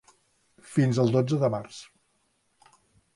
Fins al dotze de març.